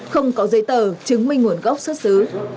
không có giấy tờ chứng minh nguồn gốc xuất xứ